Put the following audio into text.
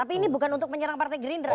tapi ini bukan untuk menyerang partai gerindra